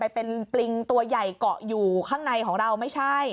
เป็นปริงตัวใหญ่เกาะอยู่ข้างในของเราไม่ใช่